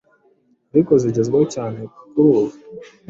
ariko zigezweho cyane kuri ubu